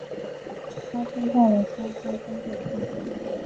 张勋带领三千军队进京。